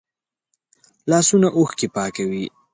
لاسونه اوښکې پاکوي